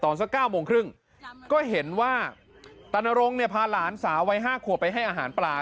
สัก๙โมงครึ่งก็เห็นว่าตานรงค์เนี่ยพาหลานสาววัย๕ขวบไปให้อาหารปลา